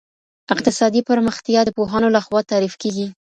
اقتصادي پرمختيا د پوهانو لخوا تعريف کيږي.